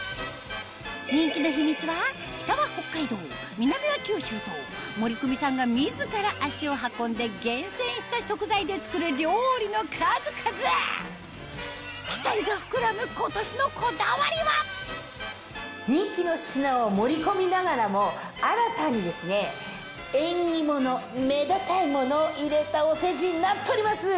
人気の秘密は北は北海道南は九州と森クミさんが自ら足を運んで厳選した食材で作る料理の数々期待が膨らむ人気の品を盛り込みながらも新たに縁起物めでたいものを入れたおせちになっております。